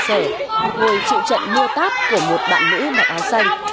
một người chịu trận mua táp của một bạn nữ mặc áo xanh